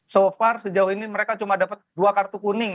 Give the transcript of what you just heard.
so far sejauh ini mereka cuma dapat dua kartu kuning